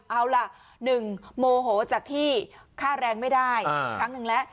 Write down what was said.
เอาล่ะหนึ่งโมโหจากที่ค่าแรงไม่ได้ครั้งหนึ่งแล้ว